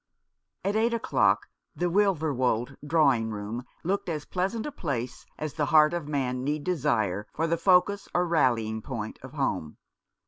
At eight o'clock the Wilverwold drawing room looked as pleasant a place as the heart of man need desire for the focus or rallying point of home.